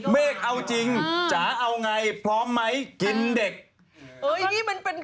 เมฆเอาจริงถ้าเอาไงกินได้